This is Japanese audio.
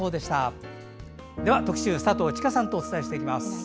では特集、佐藤千佳さんとお伝えします。